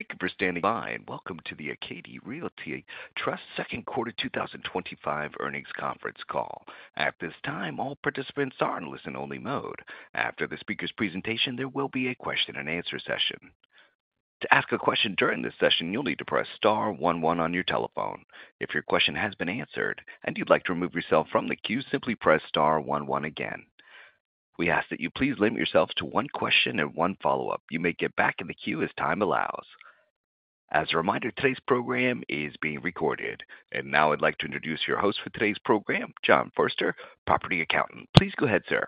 Thank you for standing by and welcome to the Acadia Realty Trust Second Quarter 2025 earnings conference call. At this time, all participants are in listen only mode. After the speaker's presentation, there will be a Question and answer session. To ask a question during this session, you'll need to press star 11 on your telephone. If your question has been answered and you'd like to remove yourself from the queue, simply press star one one. Again, we ask that you please limit yourself to one question and one follow up. You may get back in the queue as time allows. As a reminder, today's program is being recorded. Now I'd like to introduce your host for today's program, John Forster, Property Accountant. Please go ahead, sir.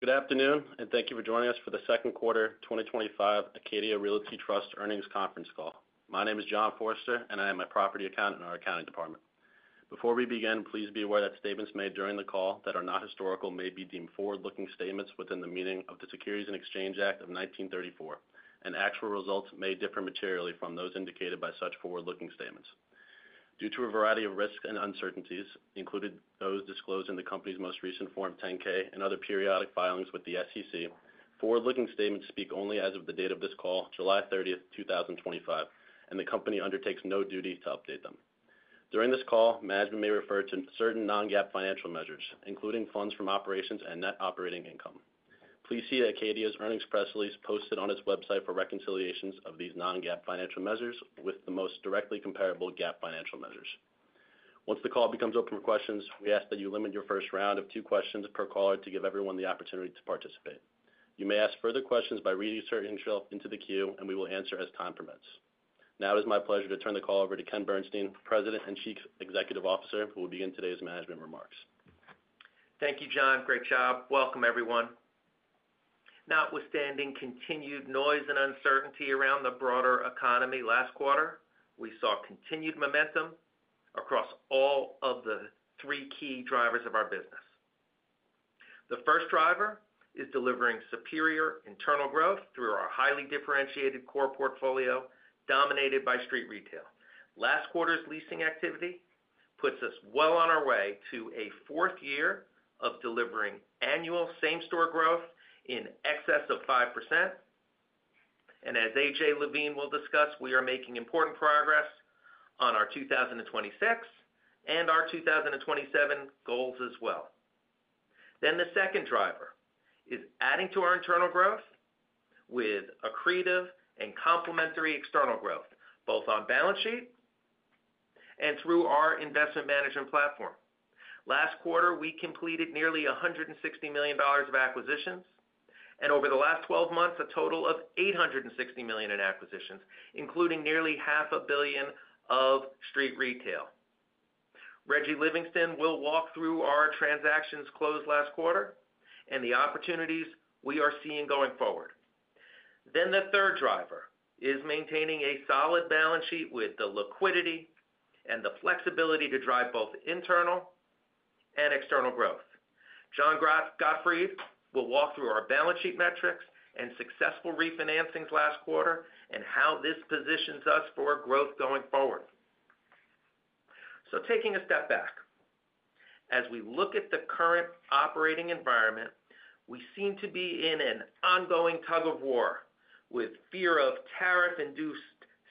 Good afternoon and thank you for joining us for the Second Quarter 2025 Acadia Realty Trust. Realty Trust Earnings conference call. My name is John Forster and I am a Property Accountant in our Accounting Department. Before we begin, please be aware that statements made during the call that are not historical may be deemed forward-looking statements within the meaning of the Securities and Exchange Act of 1934 and actual results may differ materially from those indicated by such forward-looking statements due to a variety of risks and uncertainties, including those disclosed in the company's most recent Form 10-K and other periodic filings with the SEC. Forward-looking statements speak only as of the date of this call, July 30, 2025, and the company undertakes no duty to update them. During this call, management may refer to certain non-GAAP financial measures, including funds from operations and net operating income. Please see Acadia's earnings press release posted on its website for reconciliations of these non-GAAP financial measures with the most directly comparable GAAP financial measures. Once the call becomes open for questions, we ask that you limit your first round to two questions per caller to give everyone the opportunity to participate. You may ask further questions by re-entering into the queue and we will answer as time permits. Now it is my pleasure to turn the call over to Ken Bernstein, President and Chief Executive Officer, who will begin today's management remarks. Thank you, John. Great job. Welcome, everyone. Notwithstanding continued noise and uncertainty around the broader economy, last quarter we saw continued momentum across all of the three key drivers of our business. The first driver is delivering superior internal growth through our highly differentiated Core Portfolio dominated by Street Retail. Last quarter's leasing activity puts us well on our way to a fourth year of delivering annual Same-Store Growth in excess of 5%. As AJ Levine will discuss, we are making important progress on our 2026 and our 2027 goals as well. The second driver is adding to our internal growth with accretive and complementary external growth both On-Balance-Sheet and through our Investment Management Platform. Last quarter we completed nearly $160 million of acquisitions and over the last 12 months a total of $860 million in acquisitions, including nearly half a billion of Street Retail. Reggie Livingston will walk through our transactions closed last quarter and the opportunities we are seeing going forward. The third driver is maintaining a Solid Balance Sheet with the liquidity and the flexibility to drive both internal and external growth. John Gottfried will walk through our Balance Sheet Metrics and successful Refinancings last quarter and how this positions us for growth going forward. Taking a step back, as we look at the current Operating Environment, we seem to be in an ongoing tug of war with fear of Tariff-Induced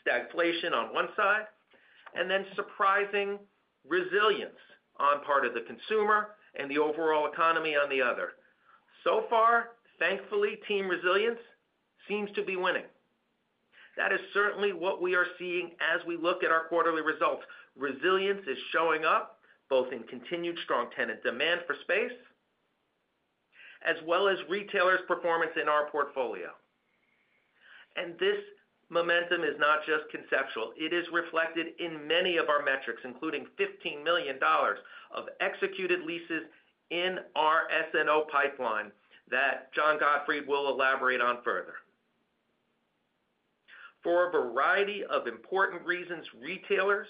Stagflation on one side and surprising resilience on the part of the Consumer and the overall economy on the other. So far, thankfully, Team Resilience seems to be winning. That is certainly what we are seeing as we look at our Quarterly Results. Resilience is showing up both in continued strong Tenant Demand for space as well as Retailers' Performance in our Portfolio. This momentum is not just conceptual, it is reflected in many of our metrics, including $15 million of executed leases in our S&O Pipeline that John Gottfried will elaborate on. Further, for a variety of important reasons, Retailers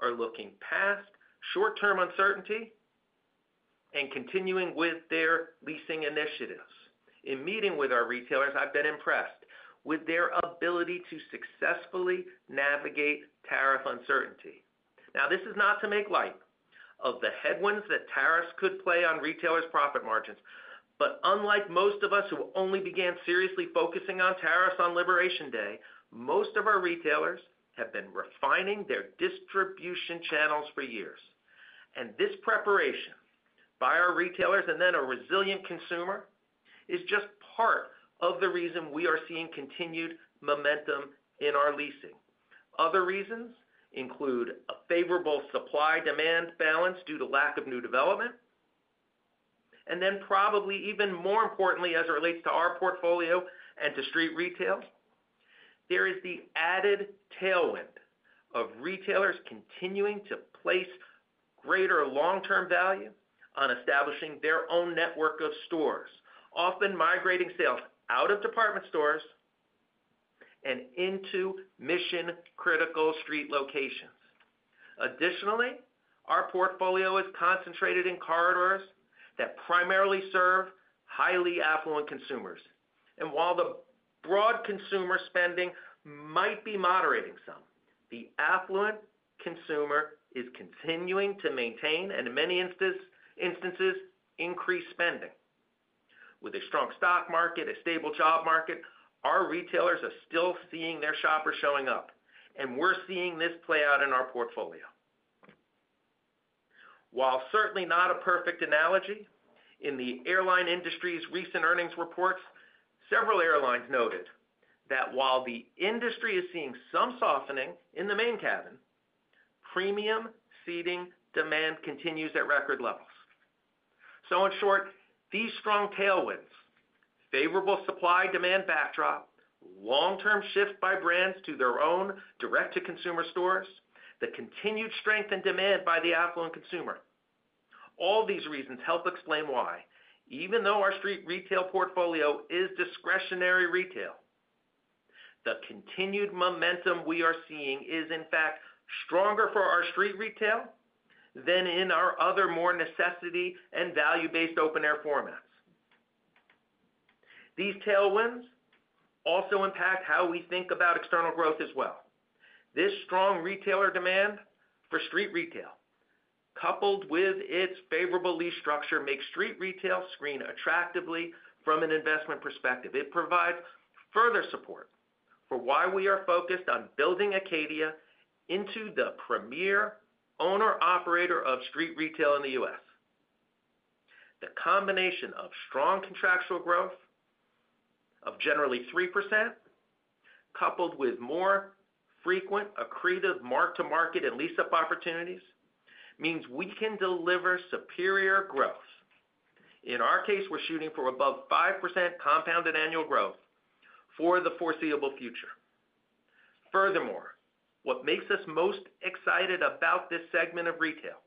are looking past short-term uncertainty and continuing with their Leasing Initiatives. In meeting with our Retailers, I've been impressed with their ability to successfully navigate tariff uncertainty. This is not to make light of the headwinds that tariffs could play on Retailers' profit margins. Unlike most of us who only began seriously focusing on tariffs on Liberation Day, most of our Retailers have been refining their Distribution Channels for years. This preparation by our Retailers and then a resilient Consumer is just part of the reason we are seeing continued momentum in our leasing. Other reasons include a favorable Suppy-Demand Balance due to lack of new development and probably even more importantly, as it relates to our Portfolio and to Street Retail, there is the added tailwind of Retailers continuing to place greater long term value on establishing their own network of stores, often migrating sales out of Department Stores and into mission critical Street Locations. Additionally, our Portfolio is concentrated in corridors that primarily serve Affluent Consumers. while the broad Consumer Spending might be moderating some, the Affluent Consumer is continuing to maintain and in many instances increase spending. With a strong stock market, a stable Job Market, our Retailers are still seeing their shoppers showing up and we're seeing this play out in our Portfolio. While certainly not a perfect analogy, in the Airline Industry's recent Earnings Reports, several Airlines noted that while the industry is seeing some softening in the Main Cabin, Premium Seating demand continues at record levels. In short, these strong tailwinds, favorable Supply-Demand Backdrop, long term shift by Brands to their own Direct-to-Consumer Stores, the continued strength in demand by the Affluent Consumer, all these reasons help explain why even though our Street Retail Portfolio is discretionary retail, the continued momentum we are seeing is in fact stronger for our Street Retail than in our other more necessity and Value-Based Open-Air Formats. These tailwinds also impact how we think about External Growth as well as this strong retailer demand for Street Retail coupled with its favorable Lease Structure makes Street Retail screen attractively from an Investment Perspective. It provides further support for why we are focused on building Acadia into the premier owner operator of Street Retail in the U.S. The combination of strong contractual growth of generally 3% coupled with more frequent accretive Mark-to-Market and Lease-Up Opportunities means we can deliver superior growth. In our case, we're shooting for above 5% Compounded Annual Growth for the foreseeable future. Furthermore, what makes us most excited about this segment of retail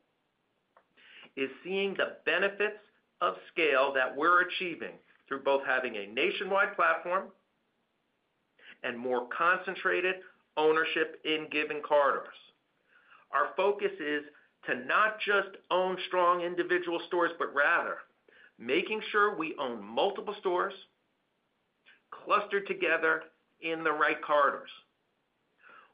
is seeing the Benefits of Scale. that we're achieving through both having a Nationwide Platform and more concentrated ownership in given corridors. Our focus is to not just own strong individual stores, but rather making sure we own multiple stores clustered together in the right Corridors.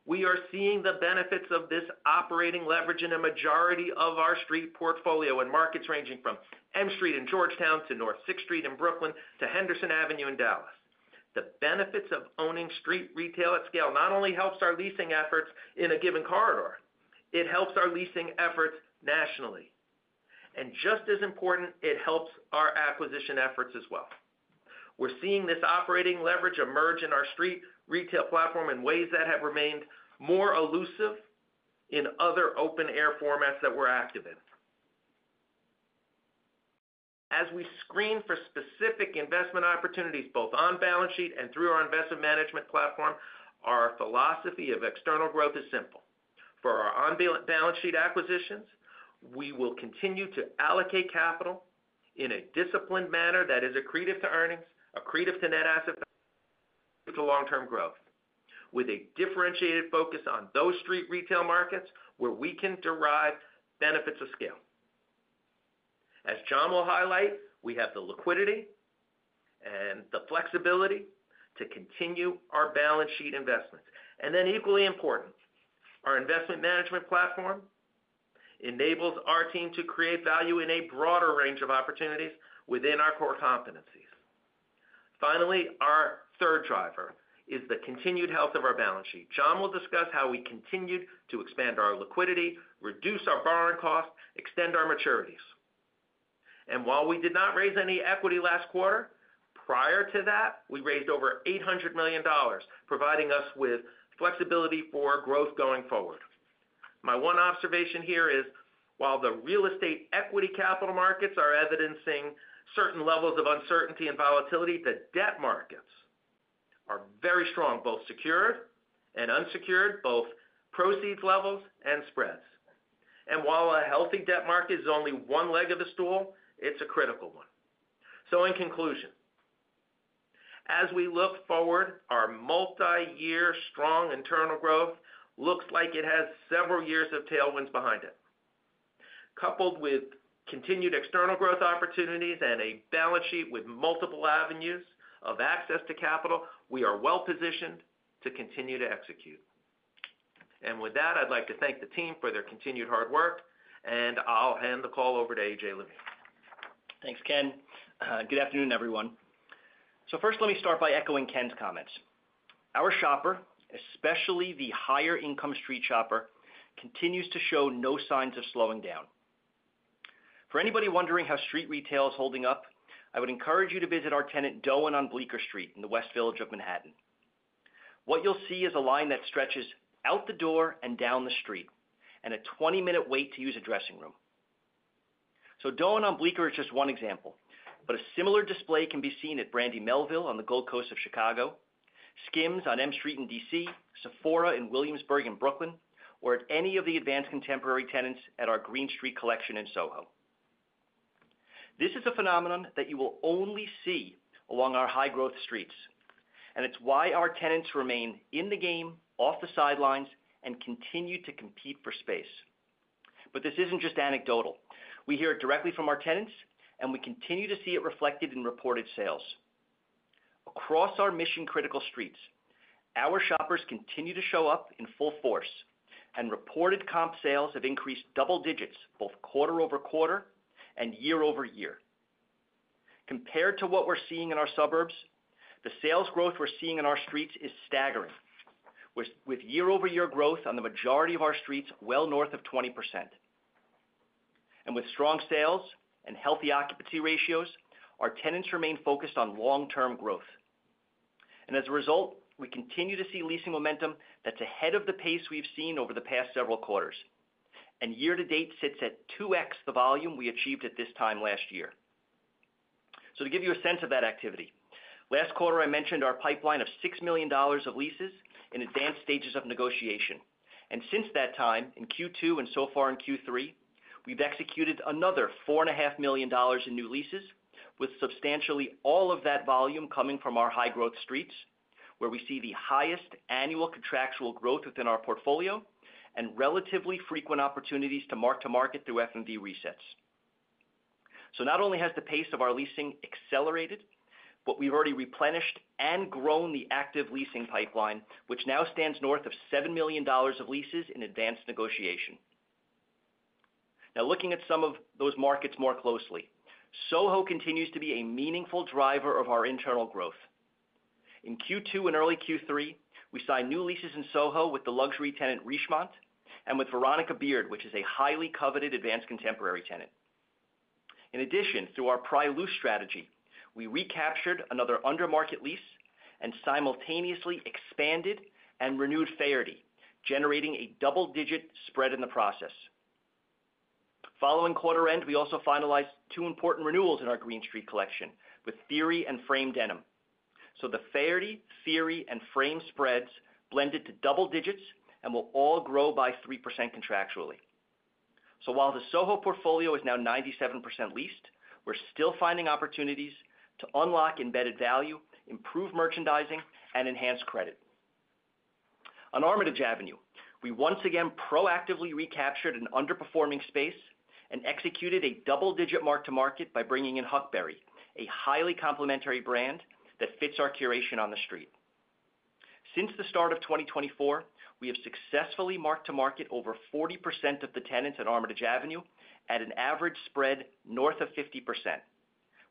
We are seeing the benefits of this Operating Leverage in a majority of our Street Portfolio in markets ranging from M Street in Georgetown to North 6th Street in Brooklyn to Henderson Avenue in Dallas. The benefits of owning Street Retail at scale not only helps our Leasing Efforts in a given corridor, it helps our Leasing Efforts nationally, and just as important, it helps our Acquisition Efforts as well. We're seeing this Operating Leverage emerge in our Street Retail platform in ways that have remained more elusive in other open air formats that we're active in. As we screen for specific Investment Opportunities both On-Balance-Sheet and through our Investment Management Platform, our philosophy of External Growth is simple. For our On-Balance-Sheet acquisitions, we will continue to allocate capital in a disciplined manner that is accretive to earnings, accretive to Net Asset Value, to long-term growth with a differentiated focus on those Street Retail markets where we can derive Benefits of Scale.. As John will highlight, we have the Liquidity and the Flexibility to continue our Balance Sheet Investments. Equally important, our Investment Management Platform enables our team to create value in a broader range of opportunities within our core competencies. Finally, our third driver is the continued health of our balance sheet. John will discuss how we continued to expand our liquidity, reduce our borrowing costs, extend our maturities, and while we did not raise any equity last quarter, prior to that we raised over $800 million, providing us with flexibility for growth going forward. My one observation here is while the real estate equity capital markets are evidencing certain levels of uncertainty and volatility, the debt markets are very strong, both secured and unsecured, both proceeds levels and spreads. While a healthy debt market is only one leg of the stool, it's a critical one. In conclusion, as we look forward, our multi-year strong internal growth looks like it has several years of tailwinds behind it. Coupled with continued external growth opportunities and a balance sheet with multiple avenues of access to capital, we are well positioned to continue to execute. I would like to thank the team for their continued hard work and I'll hand the call over to AJ Levine. Thanks Ken. Good afternoon everyone. First, let me start by echoing Ken's comments. Our shopper, especially the higher income street shopper, continues to show no signs of slowing down. For anybody wondering how Street Retail is holding up, I would encourage you to visit our tenant Doan on Bleecker Street in the West Village of Manhattan. What you'll see is a line that stretches out the door and down the street and a 20 minute wait to use a dressing room. Doan on Bleecker is just one example, but a similar display can be seen at Brandy Melville on the Gold Coast of Chicago, Skims on M Street in D.C., Sephora in Williamsburg in Brooklyn, or at any of the advanced contemporary tenants at our Green Street Collection in Soho. This is a phenomenon that you will only see along our high growth streets, and it's why our tenants remain in the game, off the sidelines and continue to compete for space. This isn't just anecdotal. We hear it directly from our tenants and we continue to see it reflected in reported sales across our mission critical streets. Our shoppers continue to show up in full force and reported comp sales have increased double digits both quarter over quarter and year over year compared to what we're seeing in our suburbs. The sales growth we're seeing in our streets is staggering, with year over year growth on the majority of our streets well north of 20%. With strong sales and healthy occupancy ratios, our tenants remain focused on long term growth. As a result, we continue to see leasing momentum that's ahead of the pace we've seen over the past several quarters and year to date sits at 2x the volume we achieved at this time last year. To give you a sense of that activity, last quarter I mentioned our pipeline of $6 million of leases in advanced stages of negotiation. Since that time in Q2 and so far in Q3, we've executed another $4.5 million in new leases, with substantially all of that volume coming from our high growth streets where we see the highest annual contractual growth within our Portfolio and relatively frequent opportunities to mark to market through FMV resets. Not only has the pace of our leasing accelerated, but we've already replenished and grown the active leasing pipeline, which now stands north of $7 million of leases in advanced negotiation. Now, looking at some of those markets more closely, Soho continues to be a meaningful driver of our internal growth. In Q2 and early Q3. We signed new leases in Soho with the luxury tenant Richemont and with Veronica Beard, which is a highly coveted advanced contemporary tenant. In addition, through our pry loose strategy, we recaptured another under market lease and simultaneously expanded and renewed Faherty, generating a double digit spread in the process. Following quarter end, we also finalized two important renewals in our Green Street collection with Theory and Frame Denim. The Faherty, Theory, and Frame spreads blended to double digits and will all grow by 3% contractually. While the Soho Portfolio is now 97% leased, we're still finding opportunities to unlock embedded value, improve merchandising, and enhance credit. On Armitage Avenue, we once again proactively recaptured an underperforming space and executed a double digit mark-to-market by bringing in Huckberry, a highly complementary brand that fits our curation on the street. Since the start of 2024, we have successfully marked to market over 40% of the tenants at Armitage Avenue at an average spread north of 50%,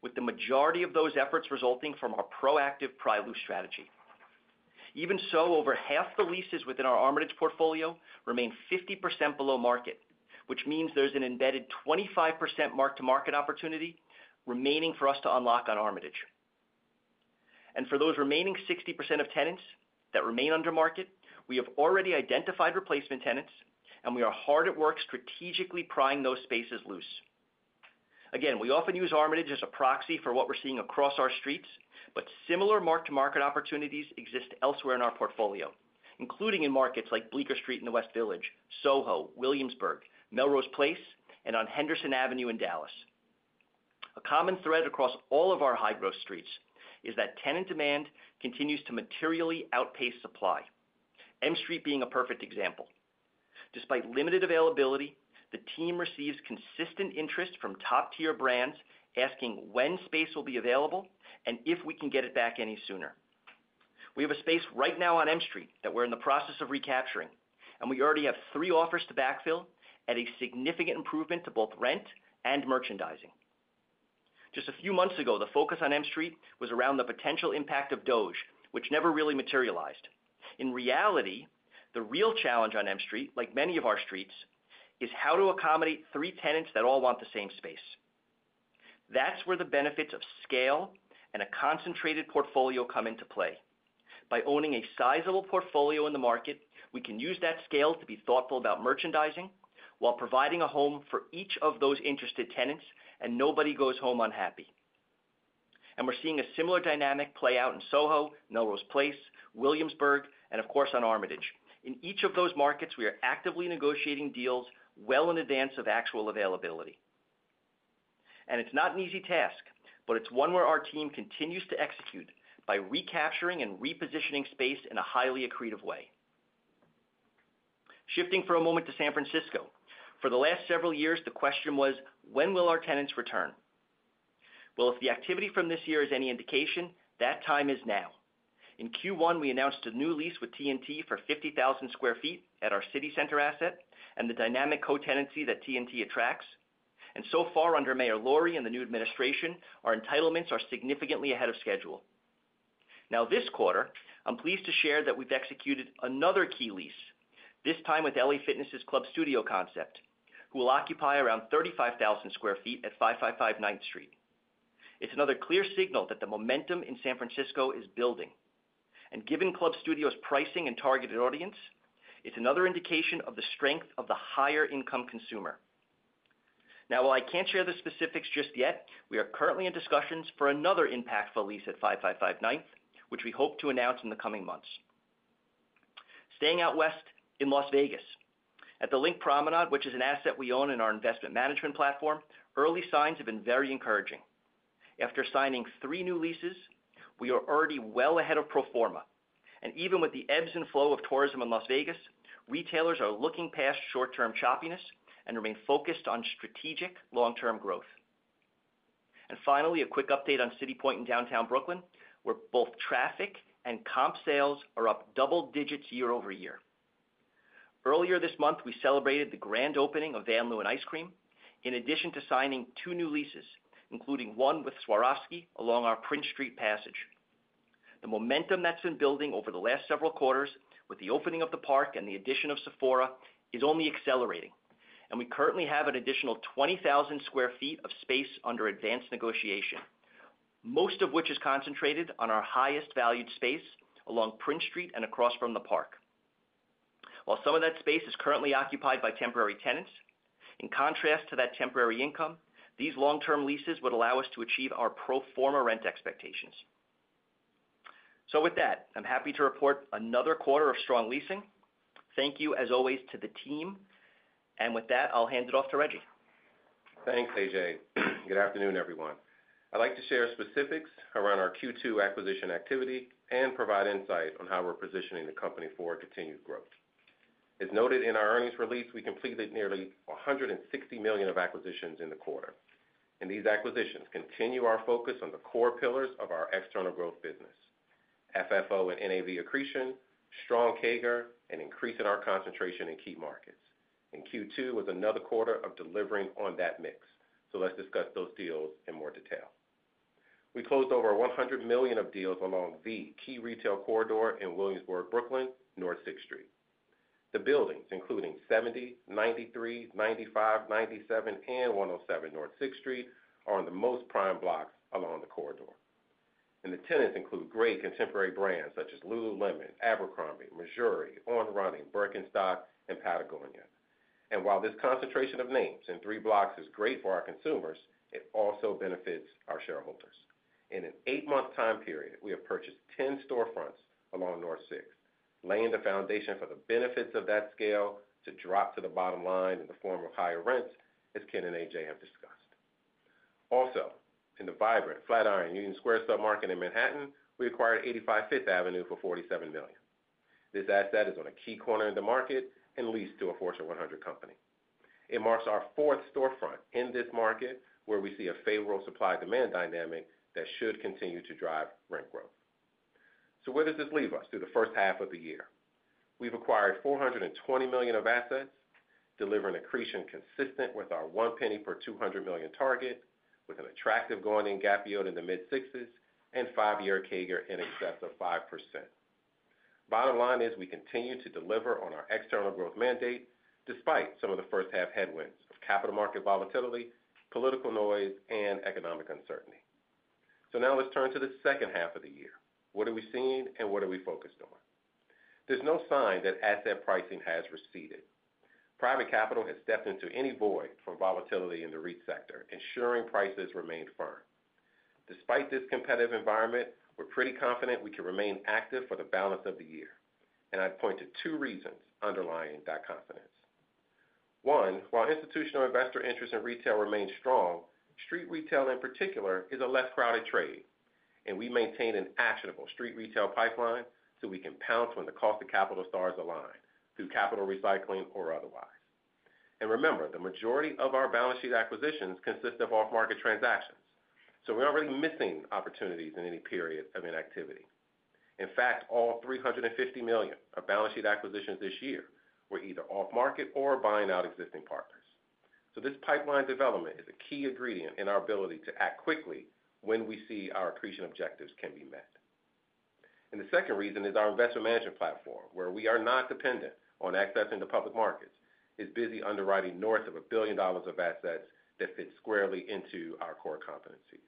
with the majority of those efforts resulting from our proactive pry loose strategy. Even so, over half the leases within our Armitage Portfolio remain 50% below market, which means there's an embedded 25% mark-to-market opportunity remaining for us to unlock on Armitage. For those remaining 60% of tenants that remain under market, we have already identified replacement tenants and we are hard at work strategically prying those spaces loose again. We often use Armitage as a proxy for what we're seeing across our streets, but similar mark-to-market opportunities exist elsewhere in our Portfolio, including in markets like Bleecker Street in the West Village, Soho, Williamsburg, Melrose Place, and on Henderson Avenue in Dallas. A common thread across all of our high growth streets is that Tenant Demand continues to materially outpace supply. M Street is a perfect example. Despite limited availability, the team receives consistent interest from top tier brands asking when space will be available and if we can get it back any sooner. We have a space right now on M Street that we're in the process of recapturing and we already have three offers to backfill and a significant improvement to both rent and merchandising. Just a few months ago, the focus on M Street was around the potential impact of DOGE, which never really materialized. In reality, the real challenge on M Street, like many of our streets, is how to accommodate three tenants that all want the same space. That's where the Benefits of Scale. and a concentrated Portfolio come into play. By owning a sizable Portfolio in the market, we can use that scale to be thoughtful about merchandising while providing a home for each of those interested tenants. Nobody goes home unhappy. We're seeing a similar dynamic play out in Soho, Melrose Place, Williamsburg, and of course on Armitage. In each of those markets, we are actively negotiating deals well in advance of actual availability. It's not an easy task, but it's one where our team continues to execute by recapturing and repositioning space in a highly accretive way. Shifting for a moment to San Francisco. For the last several years, the question was why? When will our tenants return? If the activity from this year is any indication, that time is now. In Q1, we announced a new lease with T&T for 50,000 square feet at our City Center asset and the dynamic co-tenancy that T&T attracts. So far, under Mayor Lurie and the new administration, our entitlements are significantly ahead of schedule now this quarter. I'm pleased to share that we've executed another key lease, this time with LA Fitness Club Studio Concept, who will occupy around 35,000 square feet at 555 Ninth Street. It's another clear signal that the momentum in San Francisco is building. Given Club Studio's pricing and targeted audience, it's another indication of the strength of the higher income Consumer. While I can't share the specifics just yet, we are currently in discussions for another impactful lease at 555 Ninth, which we hope to announce in the coming months. Staying out west in Las Vegas at the LINQ Promenade, which is an asset we own in our Investment Management Platform, early signs have been very encouraging. After signing three new leases, we are already well ahead of pro forma, and even with the ebbs and flows of tourism in Las Vegas, Retailers are looking past short-term choppiness and remain focused on strategic long-term growth. Finally, a quick update on City Point in downtown Brooklyn, where both traffic and comp sales are up double digits year over year. Earlier this month, we celebrated the grand opening of Van Leeuwen Ice Cream in addition to signing two new leases, including one with Swarovski along our Prince Street passage. The momentum that's been building over the last several quarters with the opening of the park and the addition of Sephora is only accelerating, and we currently have an additional 20,000 square feet of space under advanced negotiation, most of which is concentrated on our highest valued space along Prince Street and across from the park. While some of that space is currently occupied by temporary tenants, in contrast to that temporary income, these long term leases would allow us to achieve our pro forma rent expectations. I'm happy to report another quarter of strong leasing. Thank you as always to the team, and with that I'll hand it off to Reggie. Thanks AJ. Good afternoon everyone. I'd like to share specifics around our Q2 acquisition activity and provide insight on how we're positioning the company for continued growth. As noted in our earnings release, we completed nearly $160 million of acquisitions in the quarter and these acquisitions continue our focus on the core pillars of our external growth business, FFO and NAV accretion, strong CAGR, and increasing our concentration in key markets. Q2 was another quarter of delivering on that mix. Let's discuss those deals in more detail. We closed over $100 million of deals along the key retail corridor in Williamsburg, Brooklyn, North 6th Street. The buildings, including 70, 93, 95, 97, and 107 North 6th Street, are on the most prime blocks along the corridor and the tenants include great contemporary brands such as Lululemon, Abercrombie, Missouri, On Running, Birkenstock, and Patagonia. While this concentration of names in three blocks is great for our Consumers, it also benefits our shareholders. In an eight-month time period, we have purchased 10 storefronts along North 6th, laying the foundation for the benefits of that scale to drop to the bottom line in the form of higher rents as Ken and AJ have discussed. Also, in the vibrant Flatiron Union Square submarket in Manhattan, we acquired 85 Fifth Avenue for $47 million. This asset is on a key corner in the market and leased to a Fortune 100 company. It marks our fourth storefront in this market where we see a favorable supply-demand dynamic that should continue to drive rent growth. Where does this leave us? Through the first half of the year, we've acquired $420 million of assets delivering accretion consistent with our 1 penny per $200 million target, with an attractive going-in gap yield in the mid-60s and 5-year CAGR in excess of 5%. The bottom line is we continue to deliver on our external growth mandate despite some of the first half headwinds of capital market volatility, political noise, and economic uncertainty. Now let's turn to the second half of the year. What are we seeing and what are we focused on? There's no sign that asset pricing has receded. Private capital has stepped into any void from volatility in the REIT sector, ensuring prices remain firm. Despite this competitive environment, we're pretty confident we can remain active for the balance of the year. I'd point to two reasons underlying that confidence. One, while institutional investor interest in retail remains strong, Street Retail in particular is a less crowded trade. We maintain an actionable Street Retail pipeline so we can pounce when the cost of capital stars align through capital recycling or otherwise. Remember, the majority of our balance sheet acquisitions consist of off-market transactions, so we aren't really missing opportunities in any period of inactivity. In fact, all $350 million of balance sheet acquisitions this year were either off-market or buying out existing partners. This pipeline development is a key ingredient in our ability to act quickly when we see our accretion objectives can be met. The second reason is our Investment Management Platform, where we are not dependent on accessing the public markets, is busy underwriting north of $1 billion of assets that fits squarely into our core competencies.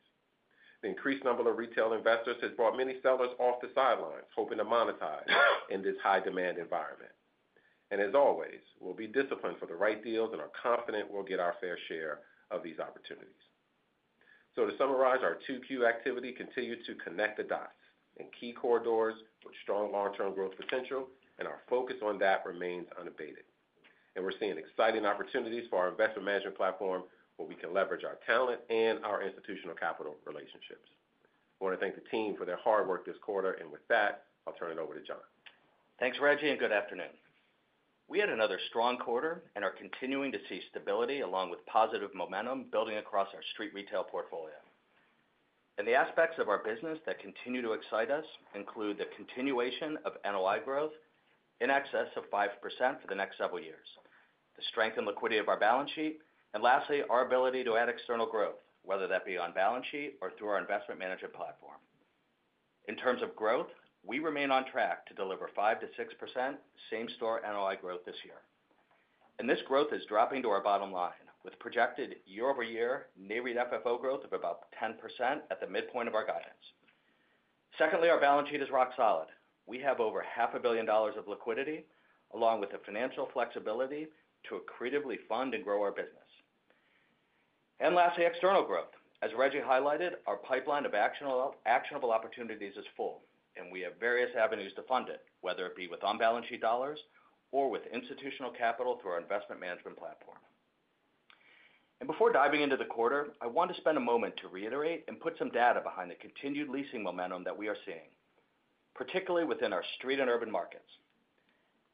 The increased number of retail investors has brought many sellers off the sidelines hoping to monetize in this high demand environment. As always, we'll be disciplined for the right deals and are confident we'll get our fair share of these opportunities. To summarize, our 2Q activity continues to connect the dots in key corridors with strong long-term growth potential and our focus on that remains unabated. We're seeing exciting opportunities for our Investment Management Platform where we can leverage our talent and our institutional capital relationships. I want to thank the team for their hard work this quarter and with that I'll turn it over to John. Thanks Reggie, and good afternoon. We had another strong quarter and are continuing to see stability along with positive momentum building across our Street Retail Portfolio, and the aspects of our business that continue to excite us include the continuation of NOI growth in excess of 5% for the next several years, the strength and liquidity of our balance sheet, and lastly our ability to add external growth, whether that be On-Balance-Sheet or through our Investment Management Platform. In terms of growth, we remain on track to deliver 5% to 6% same store NOI growth this year, and this growth is dropping to our bottom line with projected year-over-year NAREIT FFO growth of about 10% at the midpoint of our guidance. Secondly, our balance sheet is rock solid. We have over half a billion dollars of liquidity along with the financial flexibility to accretively fund and grow our business, and lastly, external growth. As Reggie highlighted, our pipeline of actionable opportunities is full and we have various avenues to fund it, whether it be with On-Balance-Sheet dollars or with institutional capital through our Investment Management Platform. Before diving into the quarter, I want to spend a moment to reiterate and put some data behind the continued leasing momentum that we are seeing, particularly within our street and urban markets.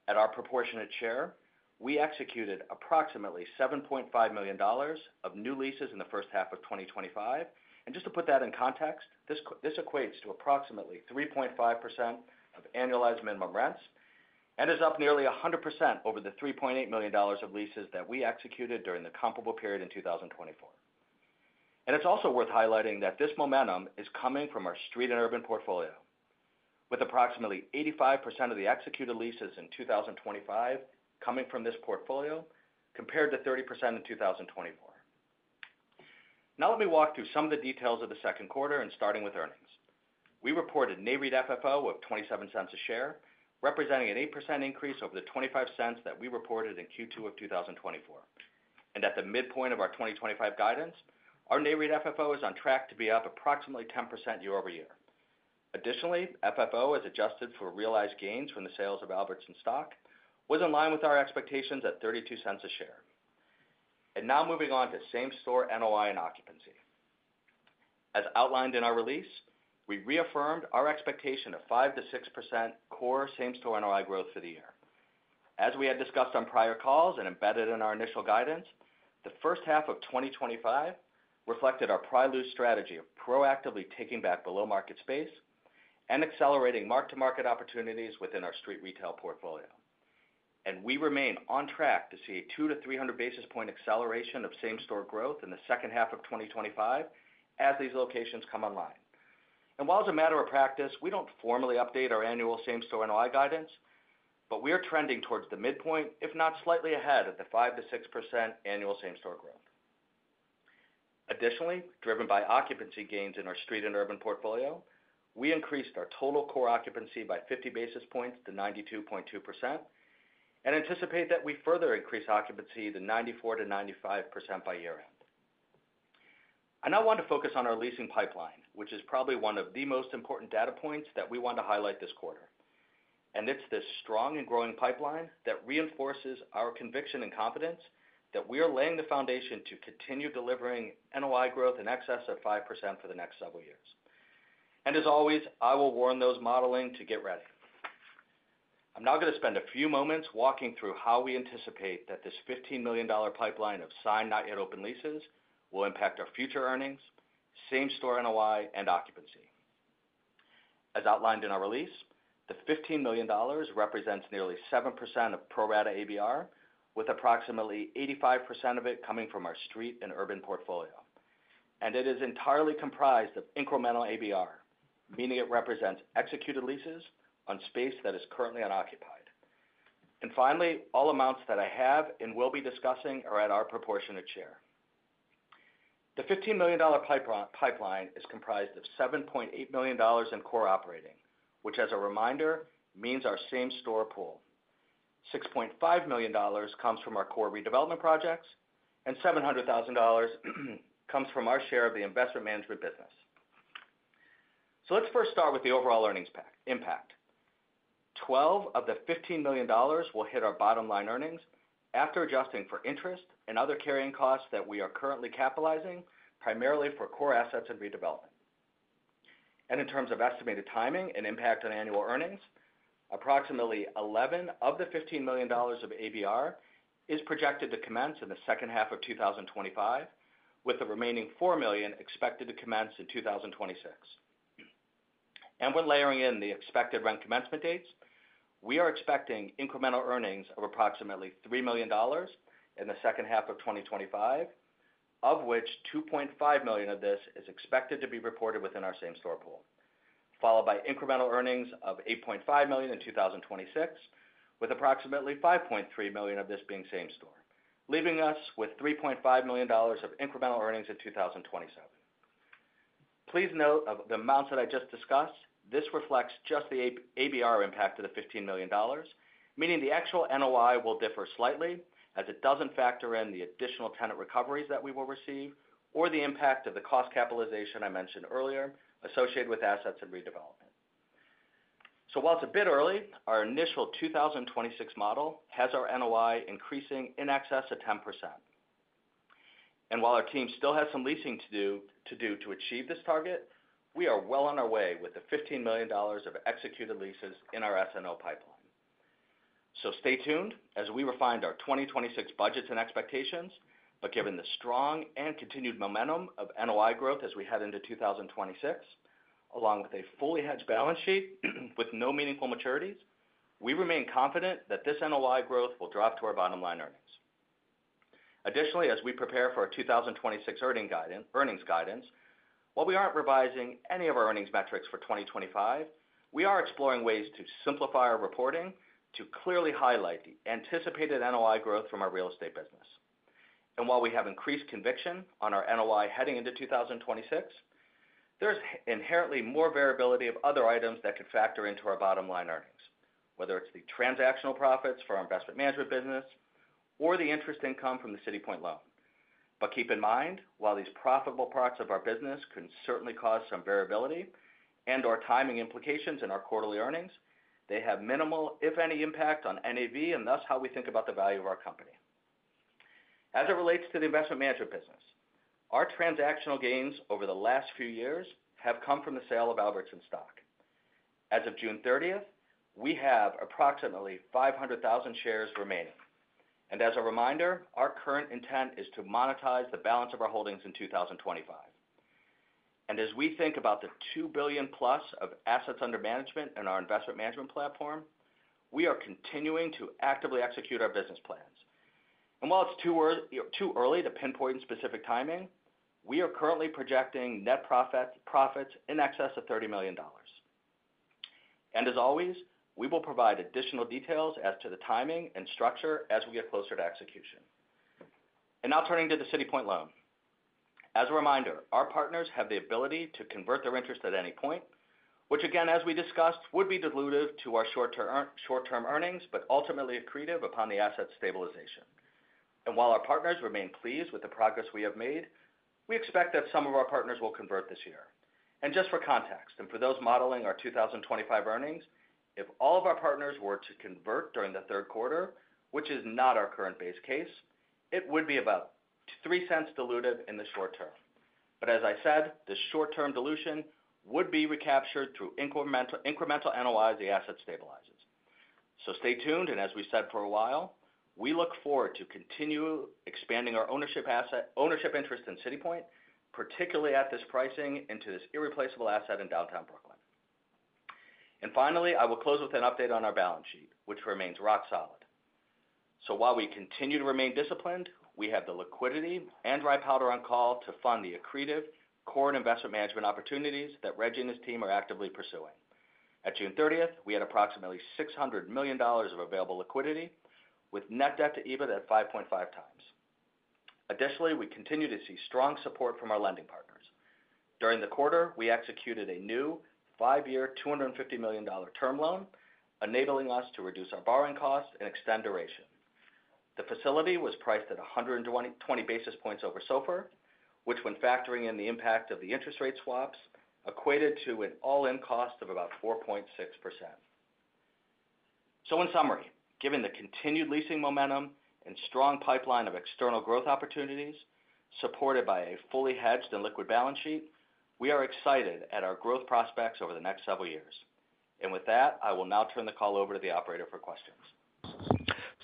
At our proportionate share, we executed approximately $7.5 million of new leases in the first half of 2025. Just to put that in context, this equates to approximately 3.5% of annualized minimum rents and is up nearly 100% over the $3.8 million of leases that we executed during the comparable period in 2024. It's also worth highlighting that this momentum is coming from our Street and Urban Portfolio, with approximately 85% of the executed leases in 2025 coming from this Portfolio compared to 30% in 2024. Now let me walk through some of the details of the Second Quarter. Starting with earnings, we reported NAREIT FFO of $0.27 a share, representing an 8% increase over the $0.25 that we reported in Q2 of 2024. At the midpoint of our 2025 guidance, our NAREIT FFO is on track to be up approximately 10% year over year. Additionally, FFO as adjusted for realized gains from the sales of Albertson stock was in line with our expectations at $0.32 a share. Now moving on to same store NOI and occupancy, as outlined in our release, we reaffirmed our expectation of 5%-6% core Same-Store NOI Growth for the year. As we had discussed on prior calls and embedded in our initial guidance, the first half of 2025 reflected our Pry Loose strategy of proactively taking back below-market space and accelerating mark-to-market opportunities within our Street Retail Portfolio. We remain on track to see a 200-300 basis point acceleration of same store growth in the second half of 2025 as these locations come online. While as a matter of practice we don't formally update our annual same store NOI guidance, we are trending towards the midpoint if not slightly ahead of the 5%-6% annual same store growth, additionally driven by occupancy gains in our street and urban Portfolio. We increased our total core occupancy by 50 basis points to 92.2% and anticipate that we further increase occupancy to 94%-95% by year end. I now want to focus on our leasing pipeline, which is probably one of the most important data points that we wanted to highlight this quarter. It's this strong and growing pipeline that reinforces our conviction and confidence that we are laying the foundation to continue delivering NOI growth in excess of 5% for the next several years. As always, I will warn those modeling to get ready. I'm now going to spend a few moments walking through how we anticipate that this $15 million pipeline of signed, not-yet-open leases will impact our future earnings, same store NOI, and occupancy. As outlined in our release, the $15 million represents nearly 7% of pro rata ABR, with approximately 85% of it coming from our street and urban Portfolio. It is entirely comprised of incremental ABR, meaning it represents executed leases on space that is currently unoccupied. Finally, all amounts that I have and will be discussing are at our proportionate share. The $15 million pipeline is comprised of $7.8 million in core operating, which as a reminder means our same store pool. $6.5 million comes from our core redevelopment projects and $700,000 comes from our share of the investment management business. Let's first start with the overall earnings impact. $12 million of the $15 million will hit our bottom line earnings after adjusting for interest and other carrying costs that we are currently capitalizing, primarily for core assets and redevelopment. In terms of estimated timing and impact on annual earnings, approximately $11 million of the $15 million of ABR is projected to commence in the second half of 2025, with the remaining $4 million expected to commence in 2026. We are layering in the expected rent commencement dates. We are expecting incremental earnings of approximately $3 million in the second half of 2025, of which $2.5 million of this is expected to be reported within our same store pool, followed by incremental earnings of $8.5 million in 2026, with approximately $5.3 million of this being same store, leaving us with $3.5 million of incremental earnings in 2027. Please note the amounts that I just discussed. This reflects just the ABR impact of the $15 million, meaning the actual NOI will differ slightly as it doesn't factor in the additional tenant recoveries that we will receive or the impact of the cost capitalization I mentioned earlier associated with assets and redevelopment. While it's a bit early, our initial 2026 model has our NOI increasing in excess of 10%. While our team still has some leasing to do to achieve this target, we are well on our way with the $15 million of executed leases in our SNO pipeline. Stay tuned as we refine our 2026 budgets and expectations. Given the strong and continued momentum of NOI growth as we head into 2026 along with a fully hedged balance sheet with no meaningful maturities, we remain confident that this NOI growth will drop to our bottom line earnings. Additionally, as we prepare for our 2026 earnings guidance, while we aren't revising any of our earnings metrics for 2025, we are exploring ways to simplify our reporting to clearly highlight the anticipated NOI growth from our real estate business. While we have increased conviction on our NOI heading into 2026, there's inherently more variability of other items that could factor into our bottom line earnings, whether it's the transactional profits for our investment management business or the interest income from the CitiPoint loan. Keep in mind, while these profitable parts of our business can certainly cause some variability and or timing implications in our quarterly earnings, they have minimal if any impact on NAV and thus how we think about the value of our company as it relates to the investment management business. Our transactional gains over the last few years have come from the sale of Albertson stock. As of June 30, we have approximately 500,000 shares remaining. As a reminder, our current intent is to monetize the balance of our holdings in 2025. As we think about the $2 billion plus of assets under management and our Investment Management Platform, we are continuing to actively execute our business plans. While it's too early to pinpoint specific timing, we are currently projecting net profits in excess of $30 million. As always, we will provide additional details as to the timing and structure as we get closer to execution. Now turning to the CitiPoint loan, as a reminder, our partners have the ability to convert their interest at any point, which, as we discussed, would be dilutive to our short-term earnings but ultimately accretive upon the asset stabilization. While our partners remain pleased with the progress we have made, we expect that some of our partners will convert this year. For context and for those modeling our 2025 earnings, if all of our partners were to convert during the third quarter, which is not our current base case, it would be about $0.03 dilutive in the short term. As I said, the short-term dilution would be recaptured through incremental NOI as the asset stabilizes. Stay tuned. As we said for a while, we look forward to continue expanding our asset ownership interest in CitiPoint, particularly at this pricing into this irreplaceable asset in downtown Brooklyn. Finally, I will close with an update on our balance sheet, which remains rock solid. While we continue to remain disciplined, we have the liquidity and dry powder on call to fund the accretive core and investment management opportunities that Reggie and his team are actively pursuing. At June 30th, we had approximately $600 million of available liquidity with net debt to EBITDA at 5.5 times. Additionally, we continue to see strong support from our lending partners. During the quarter, we executed a new five-year $250 million term loan, enabling us to reduce our borrowing costs and extend duration. The facility was priced at 120 basis points over SOFR, which, when factoring in the impact of the interest rate swaps, equated to an all-in cost of about 4.6%. In summary, given the continued leasing momentum and strong pipeline of external growth opportunities supported by a fully hedged and liquid balance sheet, we are excited at our growth prospects over the next several years. With that, I will now turn the call over to the operator for questions.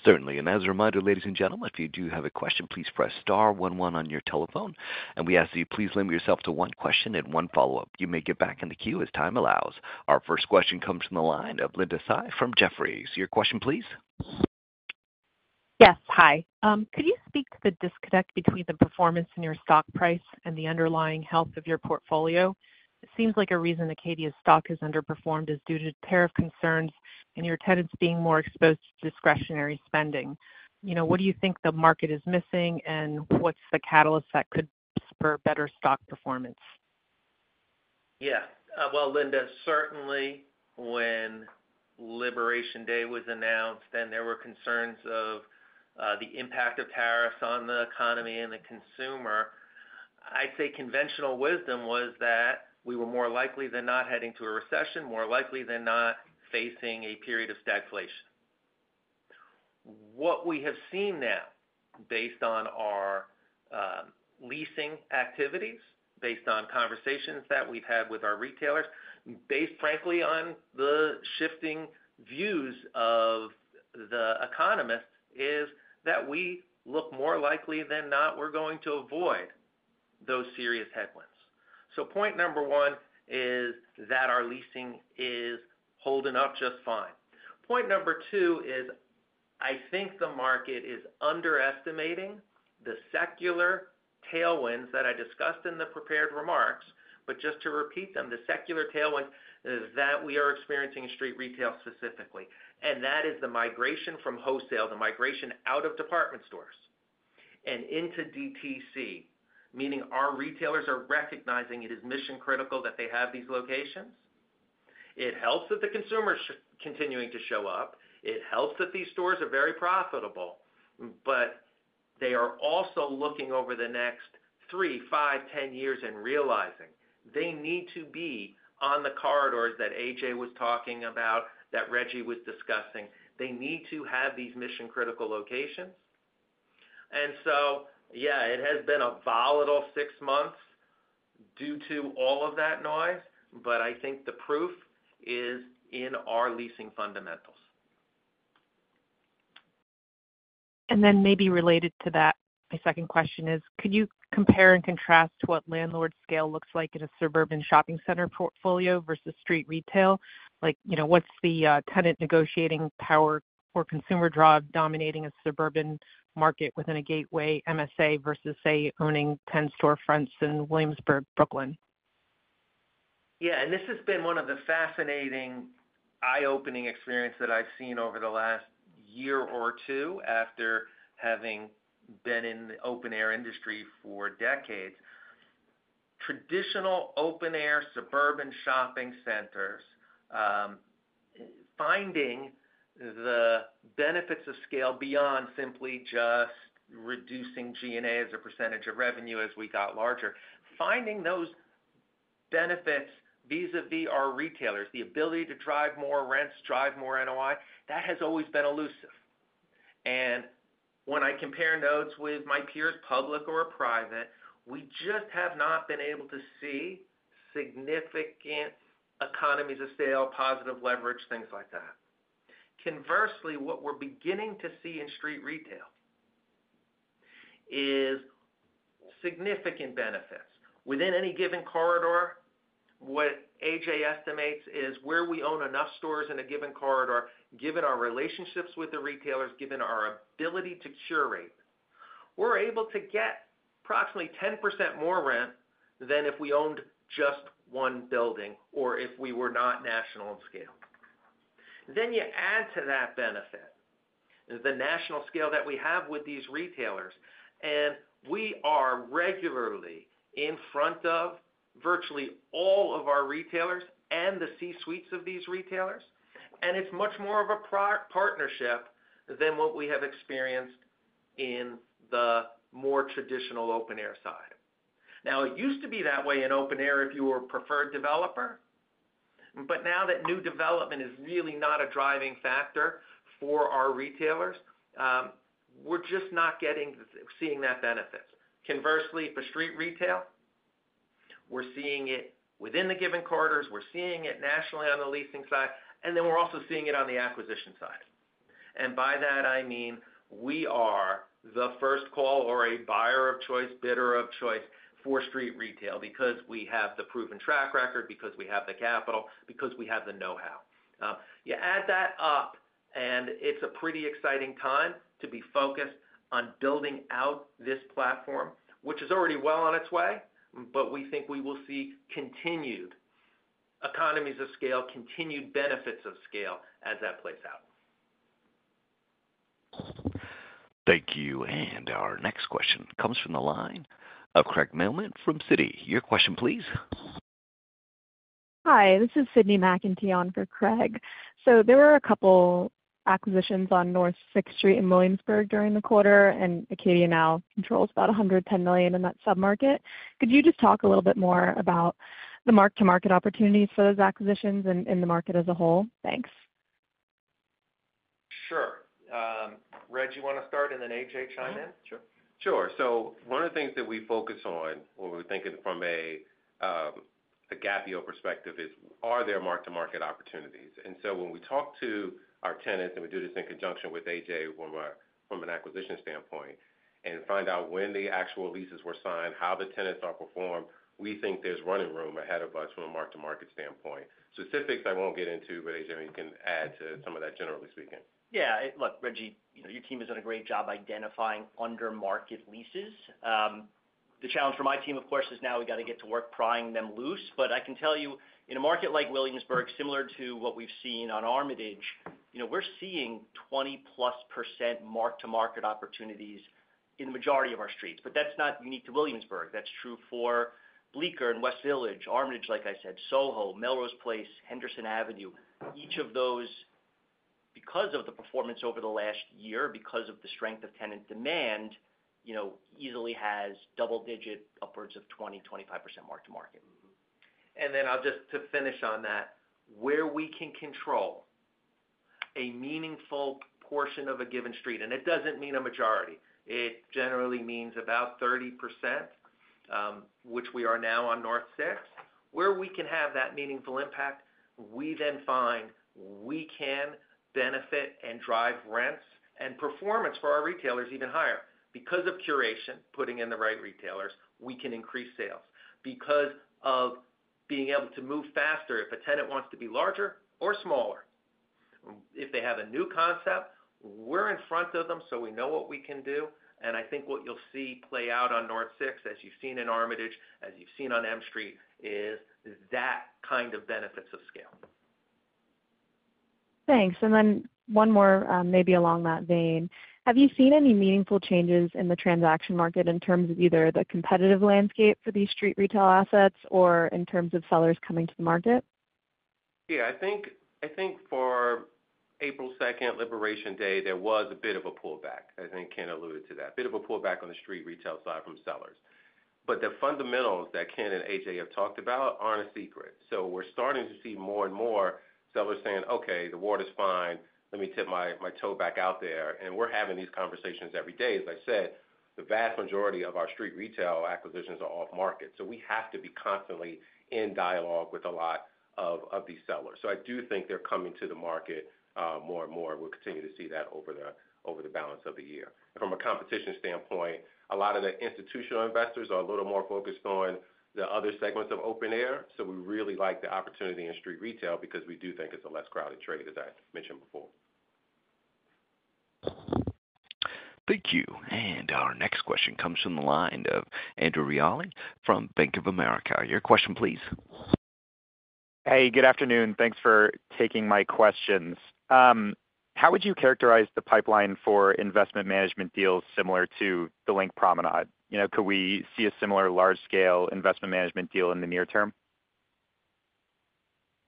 Certainly. As a reminder, ladies and gentlemen, if you do have a question, please press star 11 on your telephone, and we ask that you please limit yourself to one question and one follow up. You may get back in the queue as time allows. Our first question comes from the line of Linda Tsai from Jefferies. Your question please. Yes, hi, could you speak to the disconnect between the performance in your stock price and the underlying health of your Portfolio? It seems like a reason Acadia's stock has underperformed is due to tariff concerns and your tenants being more exposed to discretionary spending. What do you think the market is missing and what's the catalyst that could spur better stock performance? Yeah. Linda, certainly when Liberation Day was announced and there were concerns of the impact of tariffs on the economy and the Consumer, I'd say conventional wisdom was that we were more likely than not heading to a recession, more likely than not facing a period of stagflation. What we have seen now, based on our leasing activities, based on conversations that we've had with our Retailers, based frankly on the shifting views of the economists, is that we look more likely than not, we're going to avoid those serious headwinds. Point number one is that our leasing is holding up just fine. Point number two is I think the market is underestimating the secular tailwinds that I discussed in the prepared remarks. Just to repeat them, the secular tailwind that we are experiencing in Street Retail specifically, and that is the migration from wholesale, the migration out of Department Stores and into direct-to-Consumer, meaning our Retailers are recognizing it is mission critical that they have these locations. It helps that the Consumer is continuing to show up. It helps that these stores are very profitable. They are also looking over the next three, five, ten years and realizing they need to be on the corridors that AJ Levine was talking about, that Reggie Livingston was discussing. They need to have these mission critical locations. Yeah, it has been a volatile six months due to all of that noise. I think the proof is in our leasing fundamentals. Maybe related to that, my second question is, could you compare and contrast what landlord scale looks like in a suburban shopping center Portfolio versus Street Retail? Like, you know, what's the tenant negotiating power for Consumer drive dominating a suburban market within a gateway MSA versus, say, owning 10 storefronts in Williamsburg, Brooklyn? Yeah, and this has been one of the fascinating, eye-opening experiences that I've seen over the last year or two after having been in the open air industry for decades. Traditional open air suburban shopping centers, finding the Benefits of Scale. beyond simply just reducing G&A as a percentage of revenue, as we got larger, finding those benefits vis-à-vis our Retailers, the ability to drive more rents, drive more NOI, that has always been elusive. When I compare notes with my peers, public or private, we just have not been able to see significant economies of scale, positive leverage, things like that. Conversely, what we're beginning to see in Street Retail is significant benefits within any given corridor. What AJ estimates is where we own enough stores in a given corridor, given our relationships with the Retailers, given our ability to curate, we're able to get approximately 10% more rent than if we owned just one building or if we were not national in scale. You add to that benefit the national scale that we have with these Retailers, and we are regularly in front of virtually all of our Retailers and the C-suites of these Retailers. It's much more of a partnership than what we have experienced in the more traditional open air side. It used to be that way in open air if you were a preferred developer, but now that new development is really not a driving factor for our Retailers, we're just not seeing that benefit. Conversely, for Street Retail, we're seeing it within the given corridors, we're seeing it nationally on the leasing side, and we're also seeing it on the acquisition side. By that I mean we are the first call or a buyer of choice, bidder of choice for Street Retail because we have the proven track record, because we have the capital, because we have the know-how. You add that up and it's a pretty exciting time to be focused on building out this platform, which is already well on its way. We think we will see continued economies of scale, continued Benefits of Scale. as that plays out. Thank you. Our next question comes from the line of Craig Mailman from Citi. Your question, please. Hi, this is Sydney McEntee on for Craig. There were a couple acquisitions on North 6th Street in Williamsburg during the quarter, and Acadia now controls about $110 million in that submarket. Could you just talk a little bit more about the mark-to-market opportunities for those acquisitions in the market as a whole? Thanks. Sure. Reggie, you want to start? Then AJ, chime in? Sure. One of the things that we focus on when we think of it from a gap year perspective is are there mark-to-market opportunities? When we talk to our tenants, and we do this in conjunction with AJ Levine from an acquisition standpoint and find out when the actual leases were signed, how the tenants have performed, we think there's running room ahead of us from a mark-to-market standpoint. Specifics I won't get into, but AJ, you can add to some of that, generally speaking. Yeah. Look, Reggie, your team has done a great job identifying under market leases. The challenge for my team, of course, is now we've got to get to work prying them loose. I can tell you in a market like Williamsburg, similar to what we've seen on Armitage, we're seeing 20+% mark-to-market opportunities in the majority of our streets. That's not unique to Williamsburg. That's true for Bleecker and West Village, Armitage, like I said, Soho, Melrose Place, Henderson Avenue. Each of those, because of the performance over the last year, because of the strength of Tenant Demand, easily has double digit, upwards of 20%, 25% mark-to-market. To finish on that, where we can control a meaningful portion of a given street, it does not mean a majority. It generally means about 30%, which we are now on North 6th Street. Where we can have that meaningful impact, we then find we can benefit and drive rents and performance for our Retailers even higher because of curation, putting in the right Retailers. We can increase sales because of being able to move faster. If a tenant wants to be larger or smaller, if they have a new concept, we are in front of them. We know what we can do. I think what you will see play out on North 6th Street, as you have seen in Armitage and as you have seen on M Street, is that kind of Benefits of Scale.. Thanks. One more maybe along that vein, have you seen any meaningful changes in the transaction market in terms of either the competitive landscape for these Street Retail assets or in terms of sellers coming to the market? Yeah, I think for April 2, Liberation Day, there was a bit of a pullback. I think Ken alluded to that bit of a pullback on the Street Retail side from sellers. The fundamentals that Ken and AJ have talked about aren't a secret. We're starting to see more and more sellers saying, okay, the water's fine, let me tip my toe back out there. We're having these conversations every day. As I said, the vast majority of our Street Retail acquisitions are off market. We have to be constantly in dialogue with a lot of these sellers. I do think they're coming to the market more and more. We'll continue to see that over the balance of the year. From a competition standpoint, a lot of the institutional investors are a little more focused on the other segments of open air. We really like the opportunity in Street Retail because we do think it's a less crowded trade, as I mentioned before. Thank you. Our next question comes from the line of Andrew Reale from Bank of America. Your question, please. Hey, good afternoon. Thanks for taking my questions. How would you characterize the pipeline for investment management deals similar to the Link Promenade? Could we see a similar large-scale investment management deal in the near term?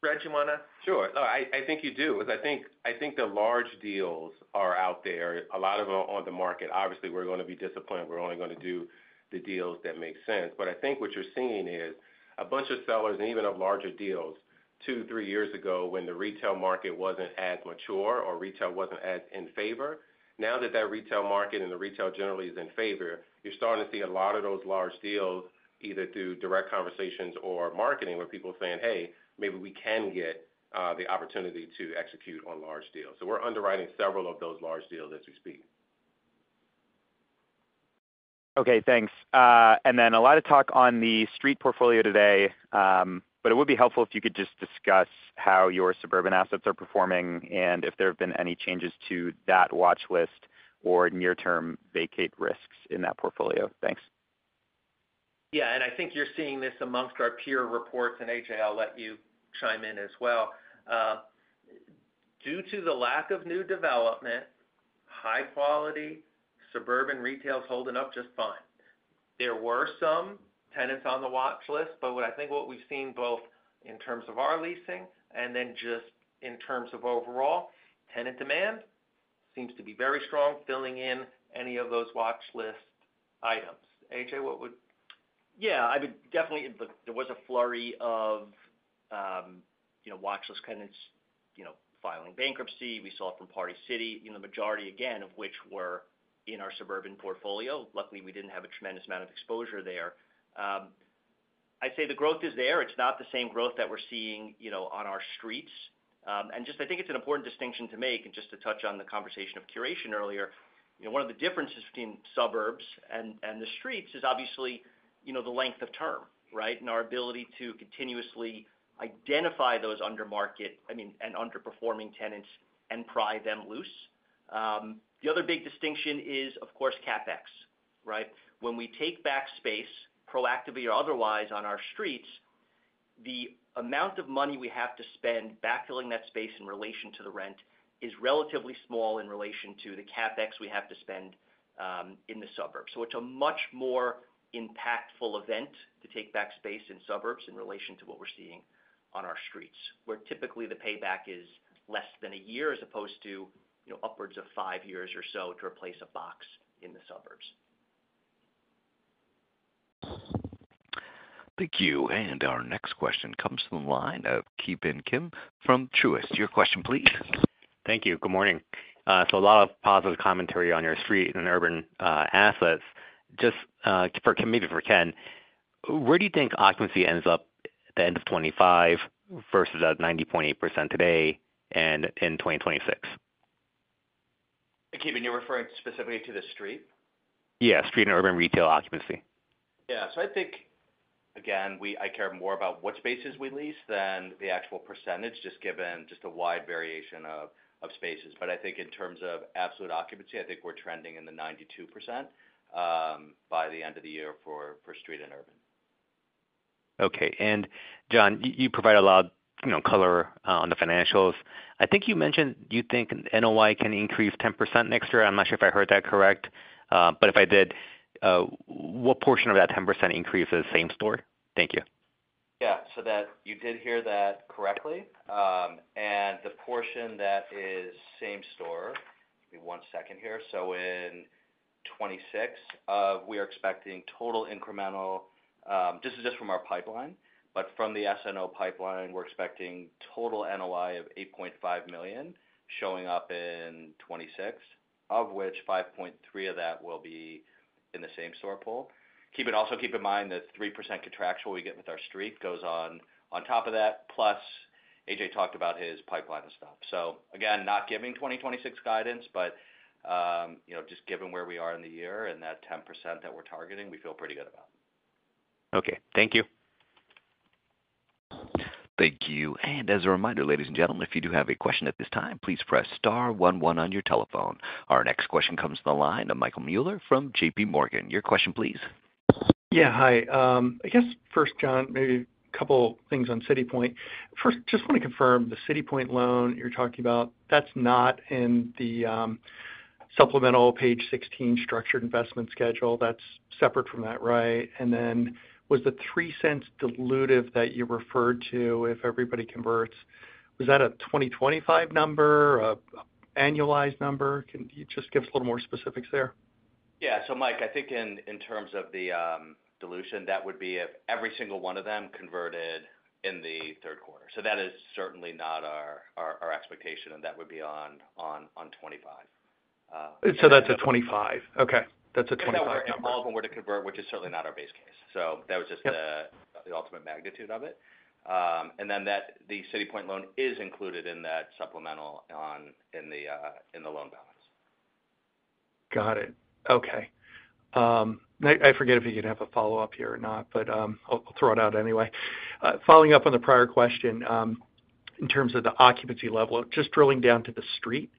Reggie, you want to. Sure, I think you do. I think the large deals are out there. A lot of them are on the market. Obviously we're going to be disciplined. We're only going to do the deals that make sense. I think what you're seeing is a bunch of sellers and even of larger deals two, three years ago when the retail market wasn't as mature or retail wasn't as in favor. Now that that retail market and the retail generally is in favor, you're starting to see a lot of those large deals, either through direct conversations or marketing, where people saying, hey, maybe we can get the opportunity to execute on large deals. We're underwriting several of those large. Deals as we speak. Okay, thanks. A lot of talk on the Street Portfolio today. It would be helpful if you. Could you just discuss how your suburban assets. Are performing and if there have been. Any changes to that watch list or near-term vacate risks in that Portfolio? Thanks. Yeah. I think you're seeing this amongst our peer reports. AJ, I'll let you chime in as well. Due to the lack of new development, high quality suburban retail is holding up just fine. There were some tenants on the watch list, but I think what we've seen both in terms of our leasing and then just in terms of overall Tenant Demand seems to be very strong, filling in any of those watch list items. AJ, what would. Yeah, I would definitely say there was a flurry of, you know, watch list tenants, you know, filing bankruptcy. We saw from Party City in the majority, again, of which were in our suburban Portfolio. Luckily, we didn't have a tremendous amount of exposure there. I'd say the growth is there. It's not the same growth that we're seeing, you know, on our streets. I think it's an important distinction to make. Just to touch on the conversation of curation earlier, one of the differences between suburbs and the streets is obviously, you know, the length of term, right, and our ability to continuously identify those under market, I mean, and underperforming tenants and pry them loose. The other big distinction is of course, CapEx, right. When we take back space proactively or otherwise on our streets, the amount of money we have to spend backfilling that space in relation to the rent is relatively small in relation to the CapEx we have to spend in the suburbs. It's a much more impactful event to take back space in suburbs in relation to what we're seeing on our streets, where typically the payback is less than a year, as opposed to upwards of five years or so to replace a box in the suburbs. Thank you. Our next question comes from the line of Ki Bin Kim from Truist. Your question, please. Thank you. Good morning. A lot of positive commentary on your street and urban assets. Just maybe for Ken, where do you think occupancy ends up at the end of 2025 versus 90.8% today and in 2026? Ki Bin, you're referring specifically to the street. Yeah, street and urban retail occupancy. Yeah. I think again, I care more about what spaces we lease than the actual percentage, just given a wide variation of spaces. I think in terms of absolute occupancy, I think we're trending in the 92% by the end of the year for street and urban. Okay. John, you provided a lot of color on the financials. I think you mentioned you think NOI can increase 10% next year. I'm not sure if I heard that correct, but if I did, what portion of that 10% increase is Same Store? Thank you. Yeah, you did hear that correctly. In the portion that is Same Store—one second here—in 2026, we are expecting total incremental, this is just from our pipeline, but from the SNO pipeline, we are expecting total NOI of $8.5 million showing up in 2026, of which $5.3 million of that will be in the same store pool. Also, keep in mind that 3% contractual we get with our street goes on top of that, plus AJ talked about his pipeline of stuff. Again, not giving 2026 guidance, but just given where we are in the year and that 10% that we're targeting, we feel pretty good about it. Okay, thank you. Thank you. As a reminder, ladies and gentlemen, if you do have a question at this time, please press star one one on your telephone. Our next question comes to the line of Michael Mueller from JPMorgan. Your question, please. Yeah, hi. I guess first, John, maybe a couple things on CitiPoint. First, just want to confirm the CitiPoint loan you're talking about. That's not in the supplemental. Page 16. Structured investment schedule. That's separate from that. Right? Was the $0.03 dilutive that you referred to, if everybody converts, a 2025 number or an annualized number? Can you just give us a little more specifics there? Yeah. Mike, I think in terms of the dilution, that would be if every single one of them converted in the third quarter. That is certainly not our expectation, and that would be on $25. That's a $25. Okay, that's $25. All of them were to convert, which is certainly not our base case. That was just the ultimate magnitude of it. The City Point loan is included in that supplemental in the loan balance. Got it. Okay. I forget if you could have a follow up here or not, but I'll throw it out anyway. Following up on the prior question, in terms of the occupancy level, just drilling down to the street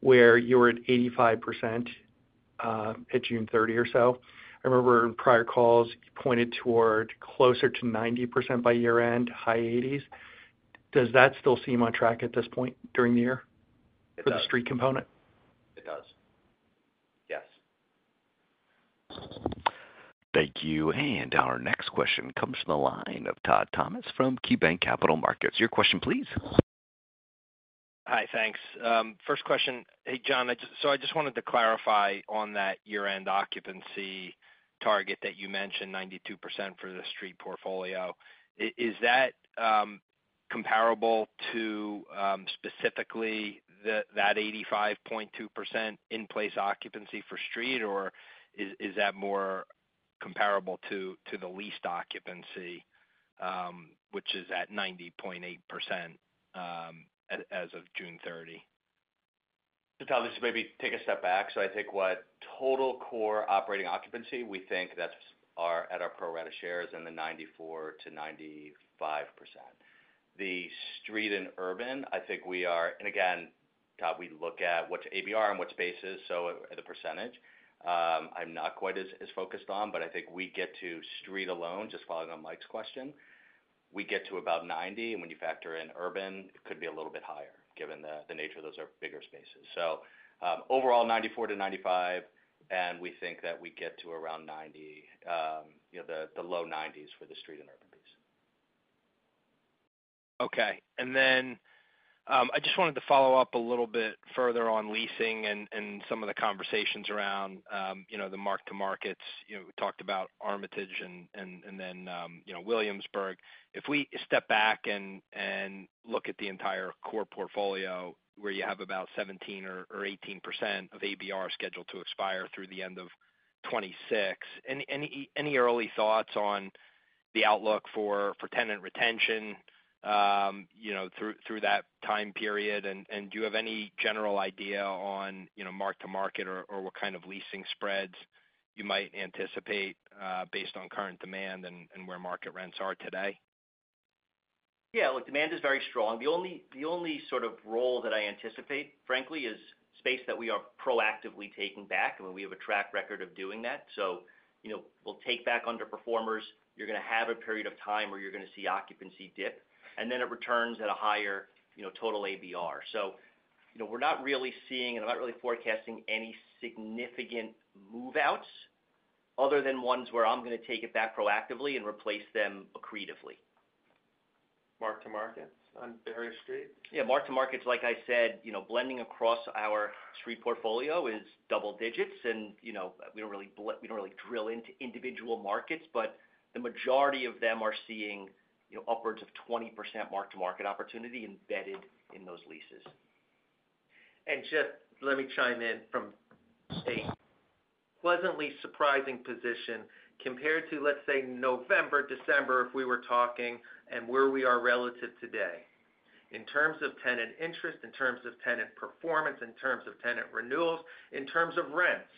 where you were at 85% at June 30 or so. I remember in prior calls you pointed toward closer to 90% by year end, high 80s. Does that still seem on track at this point during the year for the street component? It does, yes. Thank you. Our next question comes from the line of Todd Thomas from KeyBanc Capital Markets. Your question please. Hi, thanks. First question. Hey, John. I just wanted to clarify on that year end occupancy target that you mentioned, 92% for the Street Portfolio, is that comparable to specifically that 85.2% in place occupancy for street or is that more comparable to the leased occupancy which is at 90.8% as of June 30th? Maybe take a step back. I think with total core operating occupancy, we think that's at our pro rata shares in the 94 to 95%. The street and urban, I think we are. We look at what's ABR and what spaces. The percentage I'm not quite as focused on, but I think we get to street alone. Just following on Mike's question, we get to about 90% and when you factor in urban, it could be a little bit higher given the nature of those bigger spaces. Overall, 94 to 95% and we think that we get to around 90%, the low 90s for the street and urban piece. Okay. I just wanted to follow up a little bit further on leasing and some of the conversations around the mark-to-market opportunities. We talked about Armitage and then Williamsburg. If we step back and look at the entire core Portfolio where you have about 17% or 18% of ABR scheduled to expire through the end of 2026, any early thoughts on the outlook for. Tenant retention. Through that time period, do you have any general idea on mark-to-market opportunities or what kind of leasing spreads you might anticipate based on current demand and where market rents are today? Yes, look, demand is very strong. The only sort of role that I anticipate, frankly, is space that we are proactively taking back, and we have a track record of doing that. We'll take back underperformers. You're going to have a period of. Time where you're going to see occupancy dip, and then it returns at a higher total ABR. We're not really seeing, and I'm not really forecasting, any significant move outs other than ones where I'm going to take it back proactively and replace them accretively. Mark-to-market opportunities on various streets? Yes, mark-to-market opportunities. Like I said, blending across Street Retail Portfolio is double digits, and we don't really drill into individual markets, but the majority of them are seeing upwards of 20% mark-to-market opportunity embedded in those leases. Let me chime in from a pleasantly surprising position compared to, let's say, November, December. If we were talking and where we are relative today in terms of tenant interest, in terms of tenant performance, in terms of tenant renewals, in terms of rents,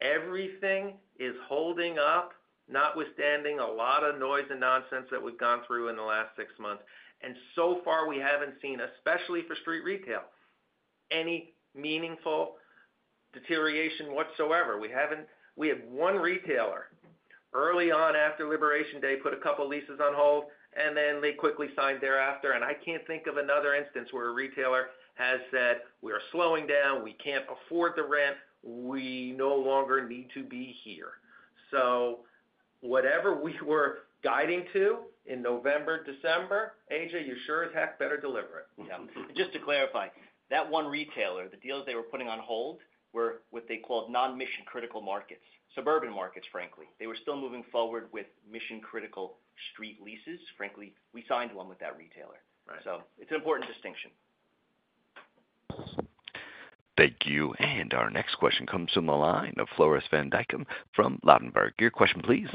everything is holding up, notwithstanding a lot of noise and nonsense that we've gone through in the last six months. So far we haven't seen, especially for Street Retail, any meaningful deterioration whatsoever. We had one retailer early on after Liberation Day put a couple leases on hold and then they quickly signed thereafter. I can't think of another instance where a retailer has said we are slowing down, we can't afford the rent, we no longer need to be here. Whatever we were guiding to in November, December, AJ, you sure as heck better deliver it. Just to clarify, that one retailer, the deals they were putting on hold were what they called non-mission critical markets, suburban markets. Frankly, they were still moving forward with mission critical street leases. Frankly, we signed one with that retailer. It's an important distinction. Thank you. Our next question comes from the line of Floris van Dijkum from Ladenburg. Your question please.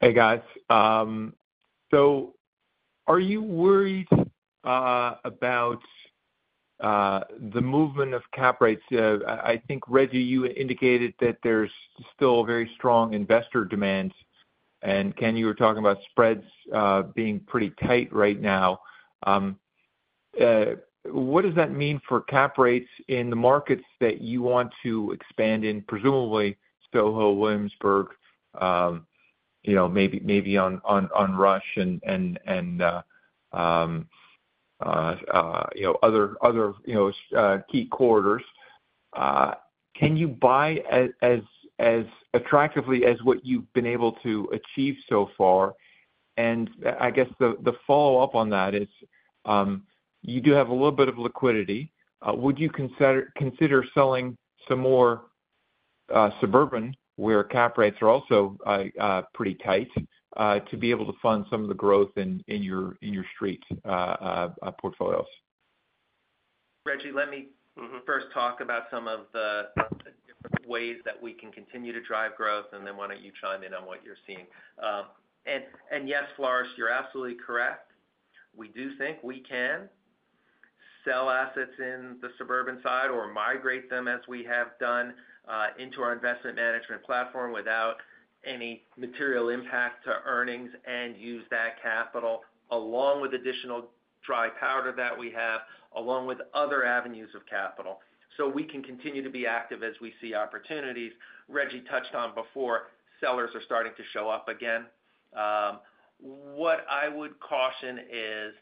Hey guys, are you worried about. The movement of cap rates? I think, Reggie, you indicated that there's still very strong investor demand. Ken, you were talking about spreads being pretty tight right now. What does that mean for cap rates in the markets that you want to expand in? Presumably SoHo, Williamsburg, maybe on Rush and other key corridors? Can you buy as attractively as what you've been able to achieve so far? The follow up on that is you do have a little bit of liquidity. Would you consider selling some more suburban where cap rates are also pretty tight to be able to fund some of the growth in your Street Portfolios? Reggie, let me first talk about some of the ways that we can continue to drive growth, and then why don't you chime in on what you're seeing. Yes, Floris, you're absolutely correct. We do think we can sell assets on the suburban side or migrate them, as we have done, into our Investment Management Platform without any material impact to earnings and use that capital along with additional dry powder that we have, along with other avenues of capital, so we can continue to be active as we see opportunities. Reggie touched on before, sellers are starting to show up again. What I would caution is